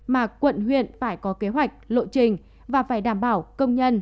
mà quận huyện phải có kế hoạch lộ trình và phải đảm bảo công nhân